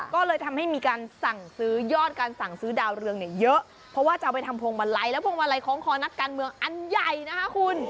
ก็เลยทำให้มีการสั่งซื้อยอดการสั่งซื้อดาวเรืองเนี่ยเยอะเพราะว่าจะเอาไปทำพวงมาลัยและพวงมาลัยคล้องคอนักการเมืองอันใหญ่นะคะคุณ